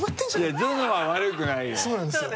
いやゾノは悪くないよ。